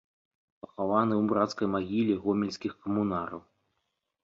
Пахаваны ў брацкай магіле гомельскіх камунараў.